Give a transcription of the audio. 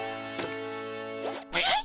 えっ。